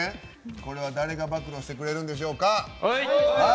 これは誰が暴露してくれるんでしょうか。